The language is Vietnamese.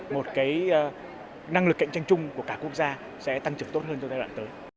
một cái năng lực cạnh tranh chung của cả quốc gia sẽ tăng trưởng tốt hơn cho giai đoạn tới